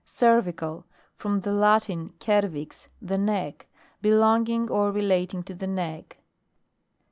CERVICAL. From the Latin, cervix the neck. Belonging or relating to the neck.